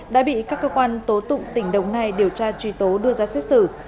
đã bị các cơ quan tố tụng tỉnh đồng nai điều tra truy tố đưa ra xét xử